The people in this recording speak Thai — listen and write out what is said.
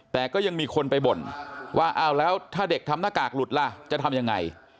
แต่ก็ยังมีคนไปบ่นว่าอ้าวแล้วถ้าเด็กทำหน้ากากหลุดล่ะจะทำยังไง